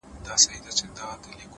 چي دي شراب، له خپل نعمته ناروا بلله،